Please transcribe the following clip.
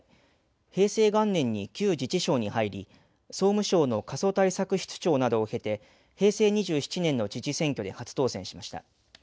平成元年に旧自治省に入り総務省の過疎対策室長などを経て平成２７年の知事選挙で初当選しました。